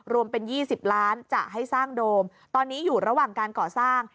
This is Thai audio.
รวมเป็น๒๐ล้านจะให้สร้างโดมตอนนี้อยู่ระหว่างการก่อสร้าง